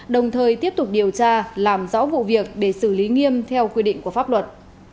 đồng thời tiếp tục điều tra làm rõ vụ việc để xử lý nghiêm theo quy định của pháp luật